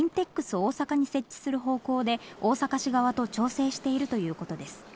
大阪に設置する方向で、大阪市側と調整しているということです。